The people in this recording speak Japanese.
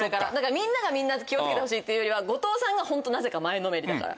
みんながみんな気をつけてほしいっていうよりは後藤さんがホントなぜか前のめりだから。